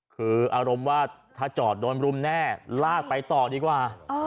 คืออารมณ์ว่าถ้าจอดโดนรุมแน่ลากไปต่อดีกว่า